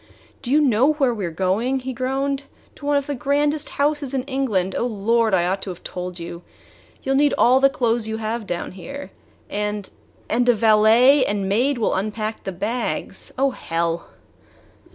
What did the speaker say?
"Do you know where we are going?" he groaned. "To one of the grandest houses in England! Oh, Lord! I ought to have told you. You 'll need all the clothes you have down here. And and a valet and maid will unpack the bags oh, hell!"